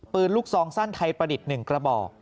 ปืนลูกซองสั้นไทยประดิษฐ์๑กระบอก